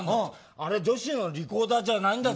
あれ、女子のリコーダーじゃないんだよ。